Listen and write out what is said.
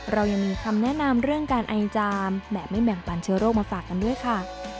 เรายังมีคำแนะนำเรื่องการไอจามแบบไม่แบ่งปันเชื้อโรคมาฝากกันด้วยค่ะ